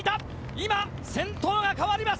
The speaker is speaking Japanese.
今、先頭が変わります。